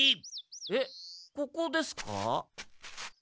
えっここですか？